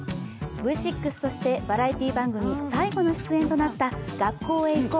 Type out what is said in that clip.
Ｖ６としてバラエティー番組最後の出演となった「学校へ行こう！